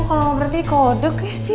kalau mau berhenti kodok ya sih